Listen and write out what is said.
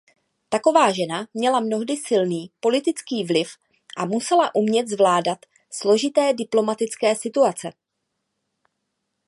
Taková žena měla mnohdy silný politický vliv a musela umět zvládat složité diplomatické situace.